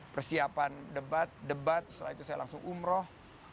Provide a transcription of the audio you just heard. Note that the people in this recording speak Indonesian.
persiapan debat debat setelah itu saya langsung umroh